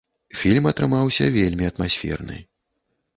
Фільм атрымаўся вельмі атмасферны.